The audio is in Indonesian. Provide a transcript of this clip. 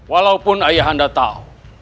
walaupun ayahanda tahu